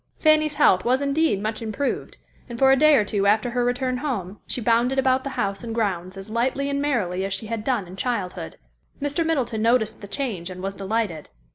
Fanny's health was indeed much improved, and for a day or two after her return home, she bounded about the house and grounds as lightly and merrily as she had done in childhood. Mr. Middleton noticed the change and was delighted.